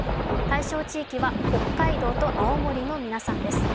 対象地域は北海道と青森の皆さんです。